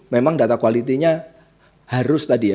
memang data quality nya harus tadi ya